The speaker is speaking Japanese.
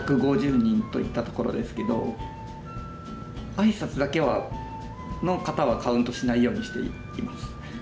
挨拶だけの方はカウントしないようにしています。